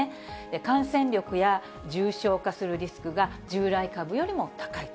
感染力や重症化するリスクが従来株よりも高いと。